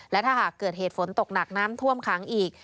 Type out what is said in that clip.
และถ้าหากเกิดเหตุฝนตกหนักน้ำท่วมขังอีก